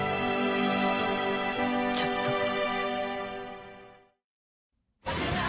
ちょっと。